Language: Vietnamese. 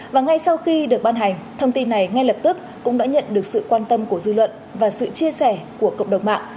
và ngay sau khi được ban hành thông tin này ngay lập tức cũng đã nhận được sự quan tâm của dư luận và sự chia sẻ của cộng đồng mạng